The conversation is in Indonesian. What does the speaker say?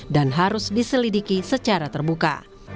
dan harus diselidiki secara terbukti